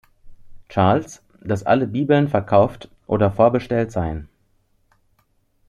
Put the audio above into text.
Charles, dass alle Bibeln verkauft oder vorbestellt seien.